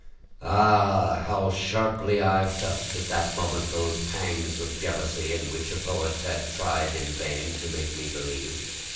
Ah! how sharply I felt at that moment those pangs of jealousy in which a poet had tried in vain to make me believe!